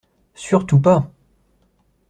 Surtout pas !